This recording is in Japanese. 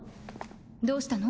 どうしたの？